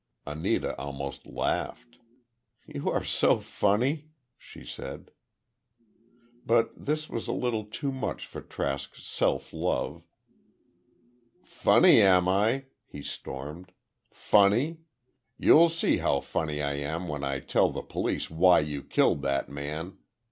Anita almost laughed. "You are so funny," she said. But this was a little too much for Trask's self love. "Funny, am I?" he stormed. "Funny! You'll see how funny I am when I tell the police why you killed that man!